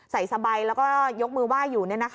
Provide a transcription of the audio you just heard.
ใส่สบายแล้วก็ยกมือไหว้อยู่